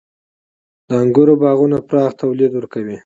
• د انګورو باغونه پراخ تولید ورکوي.